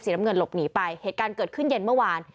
น้ำเงินหลบหนีไปเหตุการณ์เกิดขึ้นเย็นเมื่อวาน